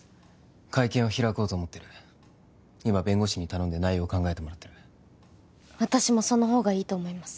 会見を開こうと思ってる今弁護士に頼んで内容を考えてもらってる私もそのほうがいいと思います